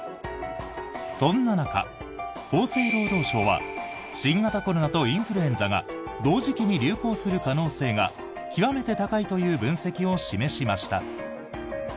そんな中、厚生労働省は新型コロナとインフルエンザが同時期に流行する可能性が極めて高いという分析を示しました。